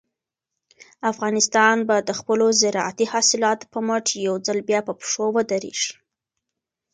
افغانستان به د خپلو زارعتي حاصلاتو په مټ یو ځل بیا په پښو ودرېږي.